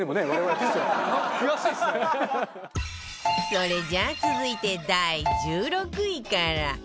それじゃ続いて第１６位から